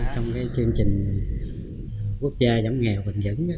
trong chương trình quốc gia giảm nghèo bền vững